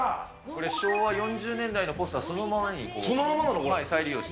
これ、昭和４０年代のポスターそのままに。